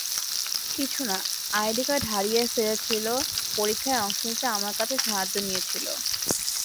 কিছু না, আইডিকার্ড হারিয়ে ফেলেছিল পরীক্ষায় অংশ নিতে আমার কাছ থেকে সাহায্য নিয়েছিলো।